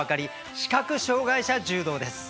視覚障がい者柔道です。